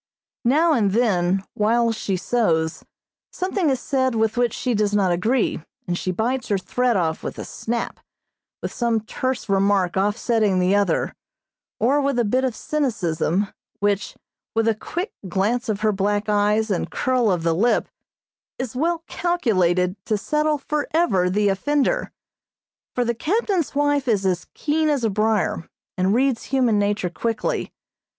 Now and then, while she sews, something is said with which she does not agree, and she bites her thread off with a snap, with some terse remark offsetting the other, or with a bit of cynicism, which, with a quick glance of her black eyes and curl of the lip, is well calculated to settle forever the offender; for the captain's wife is as keen as a briar, and reads human nature quickly.